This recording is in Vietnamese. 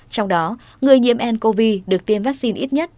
trong đó người nhiễm ncov được tiêm vaccine ít nhất